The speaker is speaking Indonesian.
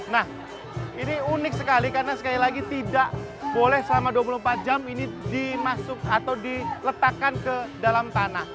nah ini unik sekali karena sekali lagi tidak boleh selama dua puluh empat jam ini dimasuk atau diletakkan ke dalam tanah